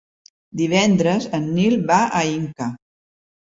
Divendres en Nil va a Inca.